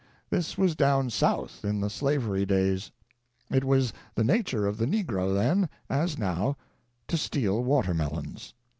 This was down South, in the slavery days. It was the nature of the negro then, as now, to steal watermelons.